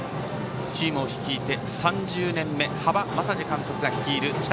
チームを率いて３０年目端場雅治監督が率いる北